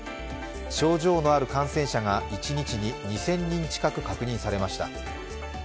症状のある感染者が一日に２０００人近く確認されました。